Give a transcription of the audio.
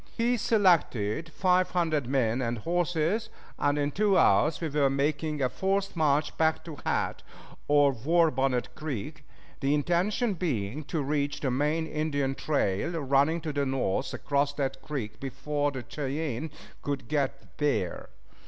He selected five hundred men and horses, and in two hours we were making a forced march back to Hat, or War Bonnet Creek, the intention being to reach the main Indian trail running to the north across that creek before the Cheyennes could get there.